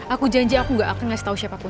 aku janji aku gak akan kasih tau siapapun